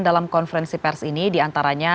dalam konferensi pers ini diantaranya